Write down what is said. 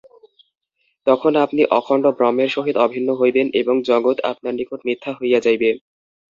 তখন আপনি অখণ্ড ব্রহ্মের সহিত অভিন্ন হইবেন এবং জগৎ আপনার নিকট মিথ্যা হইয়া যাইবে।